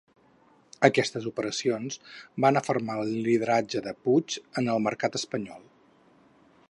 Aquestes operacions van afermar el lideratge de Puig en el mercat espanyol.